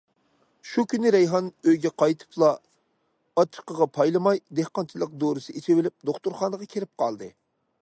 شۇ كۈنى رەيھان ئۆيگە قايتىپلا ئاچچىقىغا پايلىيالماي، دېھقانچىلىق دورىسى ئىچىۋېلىپ، دوختۇرخانىغا كىرىپ قالدى.